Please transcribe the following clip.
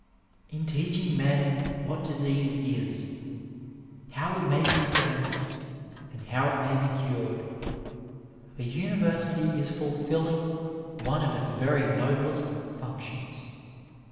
In teaching men what ctisease b, how it may be pre vented, and how it may be cured, a University is fulfilling one of its very noblest functions.